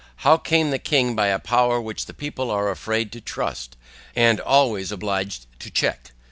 HOW CAME THE KING BY A POWER WHICH THE PEOPLE ARE AFRAID TO TRUST, AND ALWAYS OBLIGED TO CHECK?